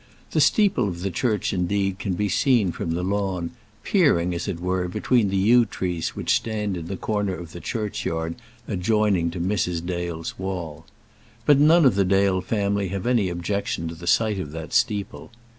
The steeple of the church, indeed, can be seen from the lawn, peering, as it were, between the yew trees which stand in the corner of the churchyard adjoining to Mrs. Dale's wall. But none of the Dale family have any objection to the sight of that steeple.